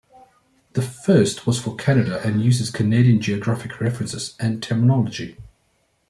The first was for Canada and uses Canadian geographic references and terminology.